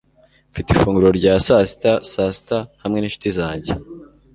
Mfite ifunguro rya sasita saa sita hamwe ninshuti zanjye.